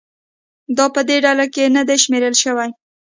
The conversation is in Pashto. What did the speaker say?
دا په دې ډله کې نه دي شمېرل شوي